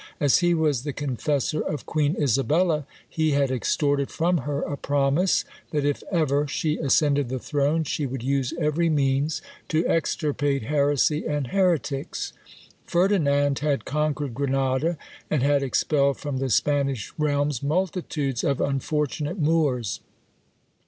As he was the confessor of Queen Isabella, he had extorted from her a promise, that if ever she ascended the throne, she would use every means to extirpate heresy and heretics. Ferdinand had conquered Granada, and had expelled from the Spanish realms multitudes of unfortunate Moors.